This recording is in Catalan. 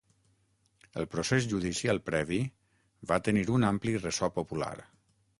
El procés judicial previ va tenir un ampli ressò popular.